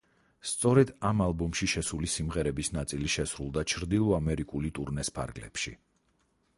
სწორედ ამ ალბომში შესული სიმღერების ნაწილი შესრულდა ჩრდილო ამერიკული ტურნეს ფარგლებში.